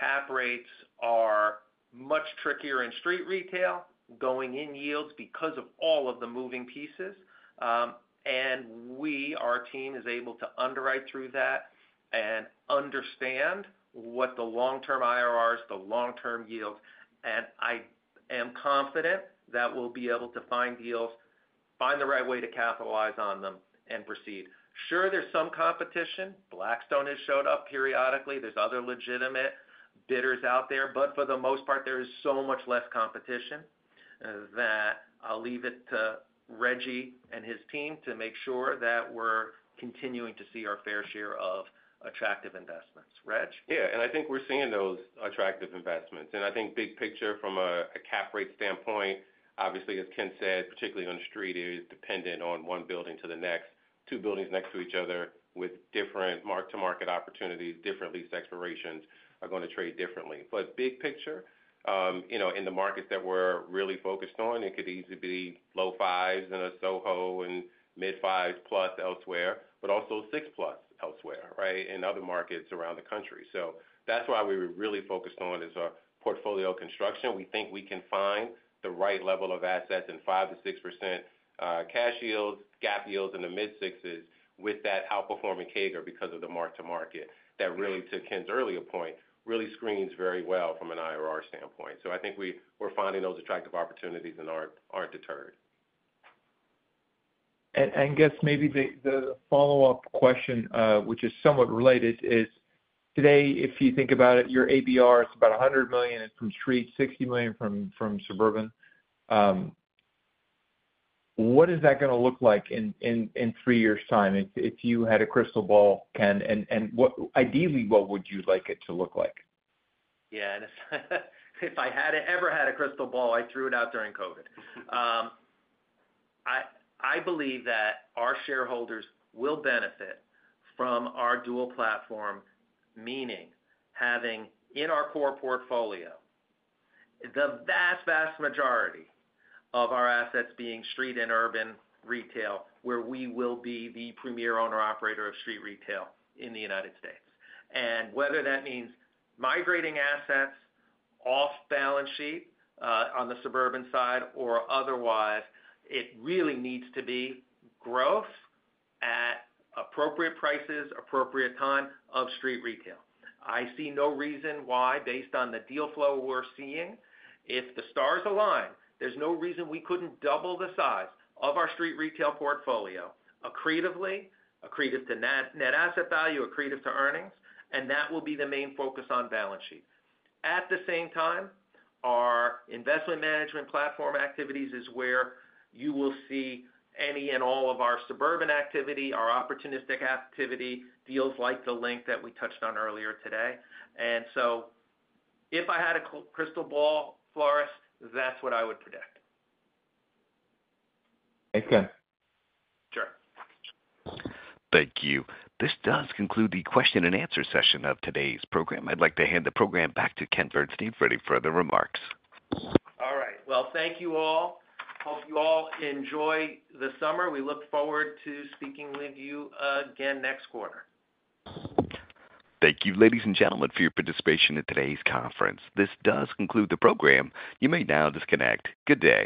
cap rates are much trickier in Street Retail, going-in yields because of all of the moving pieces, and our team is able to underwrite through that and understand what the long-term IRRs, the long-term yields. I am confident that we'll be able to find deals, find the right way to capitalize on them, and proceed. Sure, there's some competition. Blackstone has shown up periodically, there are other legitimate bidders out there, but for the most part, there is so much less competition that I'll leave it to Reggie and his team to make sure that we're continuing to see our fair share of attractive investments. Reg? Yeah, I think we're seeing those attractive investments and I think big picture from a cap rate standpoint, obviously as Ken said, particularly on the street is dependent on one building to the next. Two buildings next to each other with different mark-to-market opportunities, different lease expirations are going to trade differently. Big picture, you know, in the markets that we're really focused on, it could easily be low 5s in a Soho and mid 5% plus elsewhere but also 6% plus elsewhere, right, in other markets around the country. That's why we are really focused on our Portfolio construction. We think we can find the right level of assets in 5% to 6% cash yields, gap yields in the mid 6% with that outperforming CAGR because of the mark-to-market. That really, to Ken's earlier point, really screens very well from an IRR standpoint. I think we're finding those attractive opportunities and aren't deterred. I guess maybe the follow-up question, which is somewhat related, is today if you think about it, your ABR is about $100 million from street, $60 million from suburban. What is that going to look like in three years' time? If you had a crystal ball, Ken, and ideally what would you like it to look like? Yeah, if I had ever had a crystal ball, I threw it out during COVID. I believe that our shareholders will benefit from our dual platform, meaning having in our core Portfolio the vast, vast majority of our assets being street and urban retail, where we will be the premier owner operator of Street Retail in the United States. Whether that means migrating assets off balance sheet on the suburban side or otherwise, it really needs to be growth at appropriate prices, appropriate time of Street Retail. I see no reason why, based on the deal flow we're seeing, if the stars align, there's no reason we couldn't double the size of our Street Retail Portfolio accretively, accretive to net asset value, accretive to earnings. That will be the main focus on balance sheet. At the same time, our Investment Management Platform activities is where you will see any and all of our suburban activity, our opportunistic activity, deals like the link that we touched on earlier today. If I had a crystal ball, Floris, that's what I would predict. Thanks, Ken. Sure. Thank you. This does conclude the question and answer session of today's program. I'd like to hand the program back to Ken Bernstein for any further remarks. All right. Thank you all. Hope you all enjoy the summer. We look forward to speaking with you again next quarter. Thank you, ladies and gentlemen, for your participation in today's conference. This does conclude the program. You may now disconnect. Good day.